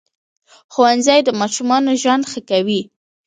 ښوونځی د ماشوم ژوند ښه کوي